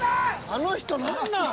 あの人何なん！